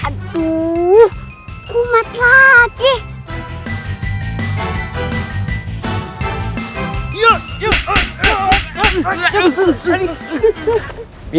aduh kumat lagi